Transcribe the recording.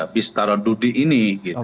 pistara dudi ini